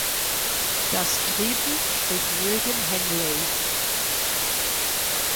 Das Drehbuch schrieb William Hanley.